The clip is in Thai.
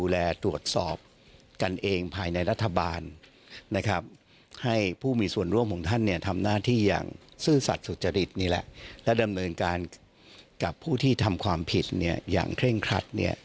และดำเนินการกับผู้ที่ทำความผิดอย่างเคร่งครัด